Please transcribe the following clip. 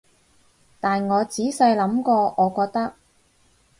但我仔細諗過，我覺得